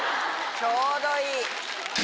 ちょうどいい。